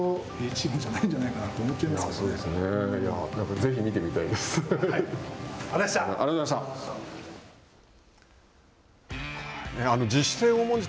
ぜひ見てみたいです。